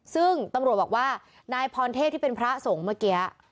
ซึ่งตำรวจบอกว่านายพรเทพที่เป็นพระสงฆ์เมื่อกี้